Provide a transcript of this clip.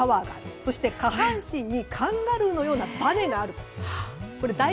そして下半身にカンガルーのようなバネがある。